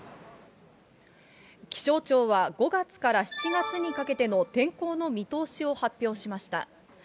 気象庁は、５月から７月にかけての天候の見通しを発表しました。